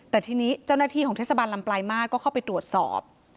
แต่ทีนี้เจ้าหน้าที่ของเทศบาลลำปลายมาตรก็เข้าไปตรวจสอบ